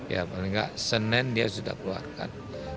ya paling nggak senin dia sudah keluarkan